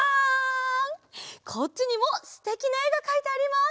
こっちにもすてきなえがかいてあります！